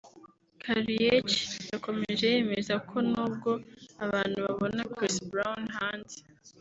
Karrueche yakomeje yemeza ko nubwo abantu babona Chris Brown hanze